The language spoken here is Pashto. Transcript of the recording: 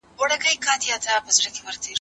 پۀ ټول وطن کښې مې ملګـــرے دخیالاتو نۀ ؤ